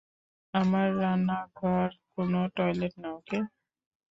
আমার রান্নাঘর কোনো টয়লেট না, ওকে?